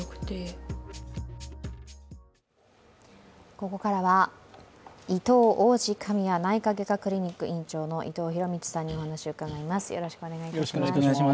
ここからは、いとう王子神谷内科外科クリニック院長の伊藤博道さんにお話を伺います。